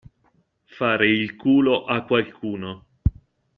Fare il culo a qualcuno.